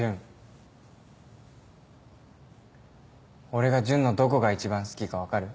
俺が純のどこが一番好きかわかる？